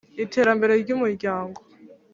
iterambere ry’umuryango